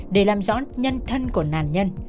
để làm rõ nhân thân của nạn nhân